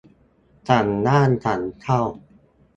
สั่งห้ามสั่งเข้า